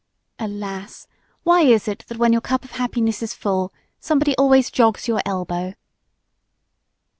Alas! Why is it that when your cup of happiness is full somebody always jogs your elbow!